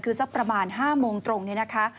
คือสักประมาณ๕โมงตรงนี้นะคะ